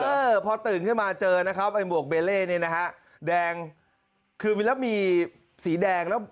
เออพอตื่นขึ้นมาเจอนะครับไอ้หมวกเบเล่นี่นะฮะแดงคือมีแล้วมีสีแดงแล้ว